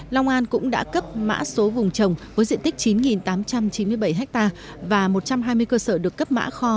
long an cũng đã cấp mã số vùng trồng với diện tích chín tám trăm chín mươi bảy ha và một trăm hai mươi cơ sở được cấp mã kho